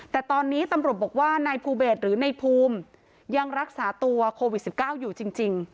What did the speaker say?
แต่ตอนนี้ตำรวจบอกว่านายภูเบศหรือนายภูมิยังรักษาตัวโควิด๑๙อยู่จริง